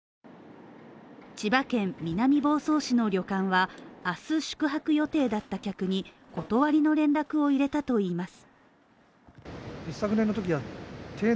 千葉県南房総市の旅館は明日宿泊予定だった客に断りの連絡を入れたといいます。